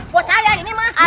buat saya ini mak